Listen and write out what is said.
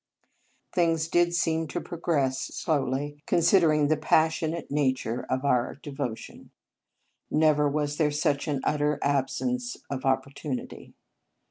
Things did seem to progress slowly, considering the passionate nature of 12 Marianus our devotion. Never was there such an utter absence of opportunity.